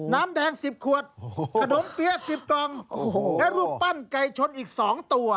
น้ำแดง๑๐ขวดขนมเปี๊ยะ๑๐กล่องและรูปปั้นไก่ชนอีก๒ตัว